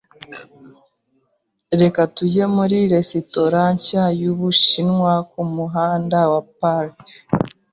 Reka tujye muri resitora nshya yubushinwa kumuhanda wa Park.